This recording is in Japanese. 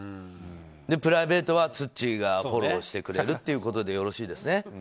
プライベートはツッチーがフォローしてくれるということでよろしいですね？